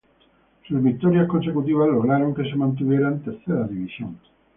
Sus victorias consecutivas lograron que se mantuviera en tercera división.